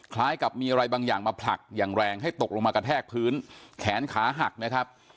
คล้ายกับมีอะไรบางอย่างมาผลักอย่างแรงให้ตกลงมากระแทกพื้นแขนขาหักนะครับ